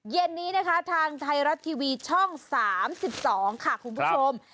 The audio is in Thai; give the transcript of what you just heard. เย็นนี้นะคะทางไทยรัฐทีวีช่อง๓๒ค่ะคุณผู้ชม